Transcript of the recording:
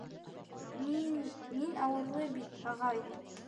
Мин... мин ауырлы бит, ағай!